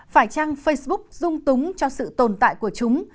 phải trang facebook dung túng cho sự tồn tại của chúng